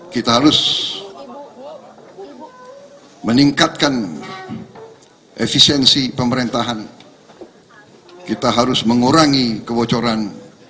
kita harus meningkatkan efisiensi pemerintahan kita harus mengurangi kebocoran